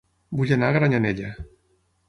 Vull anar a Granyanella